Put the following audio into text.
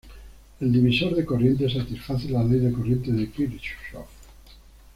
El divisor de corriente satisface la Ley de corriente de Kirchhoff.